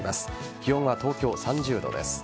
気温は東京３０度です。